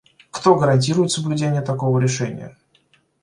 Кто гарантирует соблюдение такого решения?